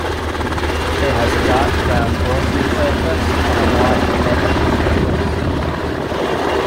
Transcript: It has a dark brown dorsal surface, and a white ventral surface.